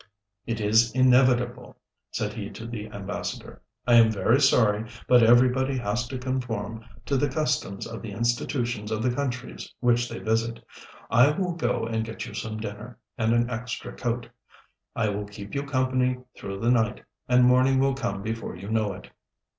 "It is inevitable," said he to the Ambassador. "I am very sorry, but everybody has to conform to the customs of the institutions of the countries which they visit. I will go and get you some dinner, and an extra coat. I will keep you company through the night, and morning will come before you know it."